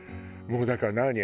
もうだから何？